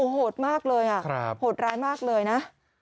โหดร้ายมากเลยนะ